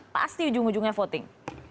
pasti ujung ujungnya voting